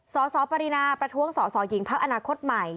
สสปรินาประท้วงสสหญิงพักอนาคตใหม่